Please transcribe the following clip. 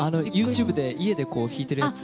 ＹｏｕＴｕｂｅで家で弾いてるやつ。